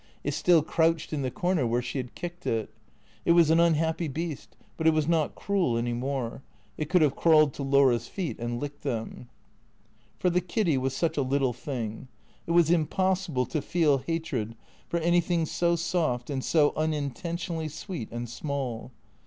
It still crouched in the corner where she had kicked it. It was an unhappy beast, but it was not cruel any more. It could have crawled to Laura's feet and licked them. For the Kiddy was such a little thing. It was impossible to feel hatred for anything so soft and so unintentionally sweet and small.